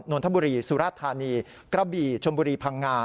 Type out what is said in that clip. นนทบุรีสุรธานีกระบี่ชมบุรีพังงา